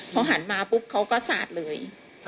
พอหันมาปุ๊บเขาก็สาดเลย